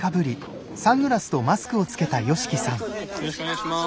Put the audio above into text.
よろしくお願いします。